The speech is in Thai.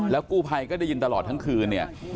แล้วกู้ไพยก็ได้ยินตลอดทั้งคืน